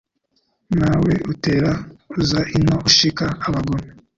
Na we utera uza ino Ushika abagome